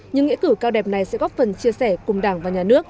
những nghĩa cử cao đẹp này sẽ góp phần chia sẻ cùng đảng và nhà nước